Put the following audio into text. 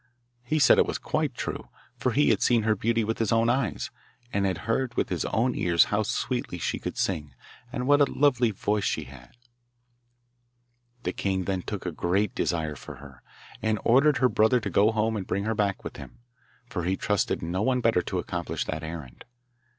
He said it was quite true, for he had seen her beauty with his own eyes, and had heard with his own ears how sweetly she could sing and what a lovely voice she had. The king then took a great desire for her, and ordered her brother to go home and bring her back with him, for he trusted no one better to accomplish that errand.